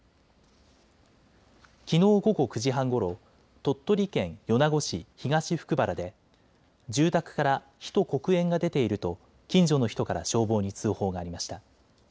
きのう午後９時半ごろ、鳥取県米子市東福原で住宅から火と黒煙が出ていると近所の人から消防に通報がありました。